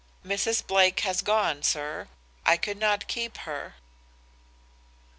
"'Mrs. Blake has gone, sir, I could not keep her.